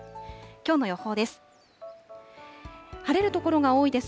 きょうの予報です。